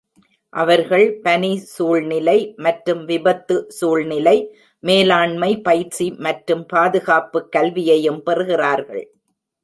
அவர்கள் பனி-சூழ்நிலை மற்றும் விபத்து-சூழ்நிலை மேலாண்மை பயிற்சி மற்றும் பாதுகாப்பு கல்வியையும் பெறுகிறார்கள்.